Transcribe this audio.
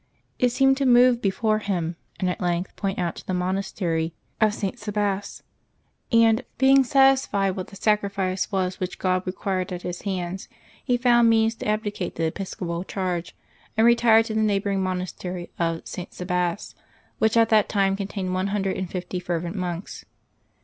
It seemed to move before him, and at length point out to the monastery of St. Sabas. Being satisfied what the sacrifice was which God required at his hands, he found means to abdicate the episcopal charge, and retired to the neighboring monastery of St. Sabas, which at that time contained one hundred and fifty fervent monks.